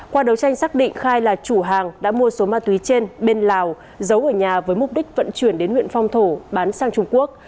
qua đấu tranh xác định khai là chủ hàng đã mua số ma túy trên bên lào giấu ở nhà với mục đích vận chuyển đến huyện phong thổ bán sang trung quốc